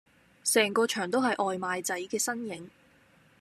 成個場都係外賣仔嘅身影